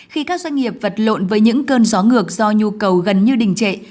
khi các doanh nghiệp vật lộn với những cơn gió ngược do nhu cầu gần như đình trệ